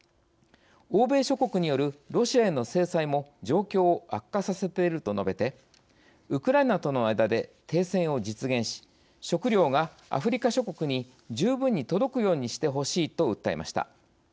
欧米諸国によるロシアへの制裁も状況を悪化させている」と述べて、ウクライナとの間で停戦を実現し食糧がアフリカ諸国に十分に届くようにしてほしいと訴えました。